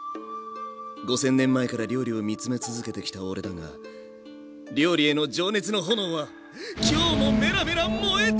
５，０００年前から料理を見つめ続けてきた俺だが料理への情熱の炎は今日もメラメラ燃えてるぜ！